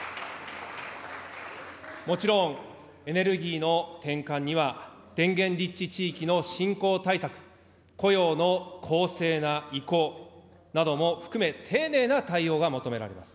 もちろん、エネルギーの転換には電源立地地域の振興対策、雇用の公正な移行なども含め、丁寧な対応が求められます。